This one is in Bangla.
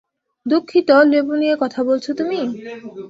দুঃখিত, লেবু নিয়ে কথা বলছো তুমি?